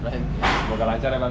semoga lancar ya bang